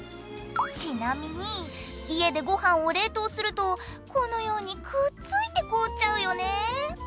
ちなみに家でご飯を冷凍するとこのようにくっついて凍っちゃうよね。